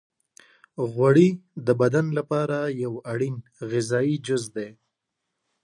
غوړې د بدن لپاره یو اړین غذایي جز دی.